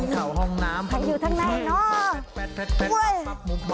คันอยู่ทางในเนอะ